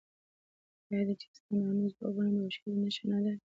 آیا د چیستانونو ځوابول د هوښیارۍ نښه نه ده؟